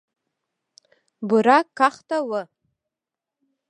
بوره کاخته وه.